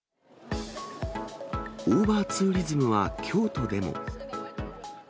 オーバーツーリズムは京都でも。